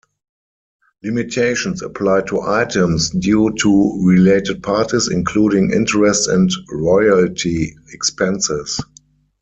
Limitations apply to items due to related parties, including interest and royalty expenses.